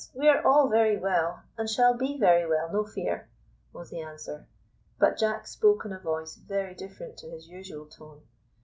We are all very well, and shall be very well, no fear," was the answer; but Jack spoke in a voice very different to his usual tone.